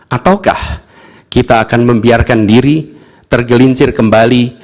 ataukah kita akan membiarkan diri tergelincir kembali